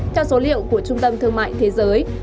theo số liệu của trung tâm thương mại thế giới